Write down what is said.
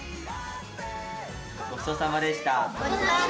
ごちそうさまでした。